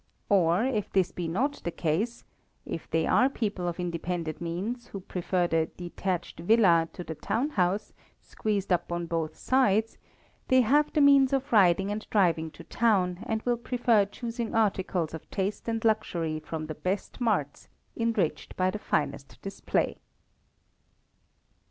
Or if this be not the case if they are people of independent means, who prefer the "detached villa" to the town house, squeezed up on both sides, they have the means of riding and driving to town, and will prefer choosing articles of taste and luxury from the best marts, enriched by the finest display.